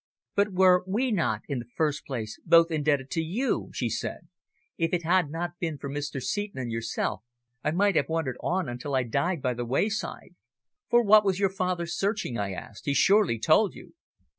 "But were we not, in the first place, both indebted to you?" she said. "If it had not been for Mr. Seton and yourself I might have wandered on until I died by the wayside." "For what was your father searching?" I asked. "He surely told you?"